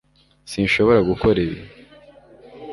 sinshobora gukora ibi